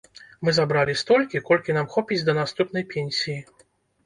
Мы забралі столькі, колькі нам хопіць да наступнай пенсіі.